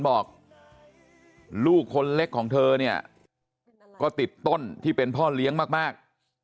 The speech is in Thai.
บอกลูกคนเล็กของเธอเนี่ยก็ติดต้นที่เป็นพ่อเลี้ยงมาก